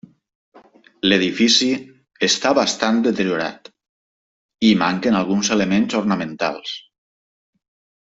L'edifici està bastant deteriorat i hi manquen alguns elements ornamentals.